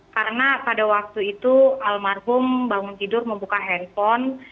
karena pada waktu itu almarhum bangun tidur membuka handphone